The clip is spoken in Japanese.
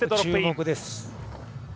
注目です。